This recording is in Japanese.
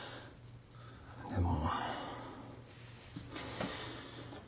でも。